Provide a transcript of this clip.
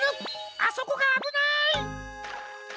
あそこがあぶない！